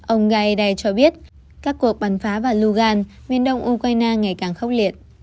ông guayde cho biết các cuộc bắn phá vào lugan miền đông ukraine ngày càng khốc liệt